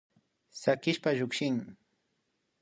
Sakishpa llukshin